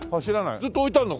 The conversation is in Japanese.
ずっと置いてあるの？